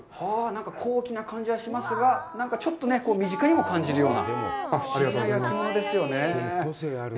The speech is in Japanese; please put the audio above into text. なんか高貴な感じがしますが、何か、ちょっとね、身近にも感じるような不思議な焼き物ですね。